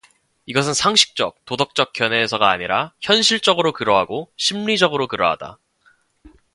이것은 상식적 도덕적 견해에서가 아니라, 현실적으로 그러하고 심리적으로 그러하다.